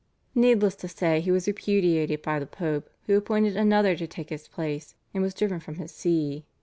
Needless to say he was repudiated by the Pope, who appointed another to take his place, and was driven from his See.